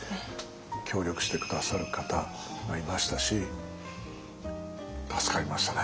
協力して下さる方がいましたし助かりましたね。